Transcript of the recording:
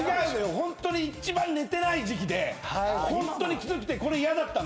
ホントに一番寝てない時期でホントにきつくて嫌だったの。